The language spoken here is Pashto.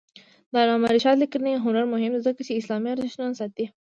د علامه رشاد لیکنی هنر مهم دی ځکه چې اسلامي ارزښتونه ساتي.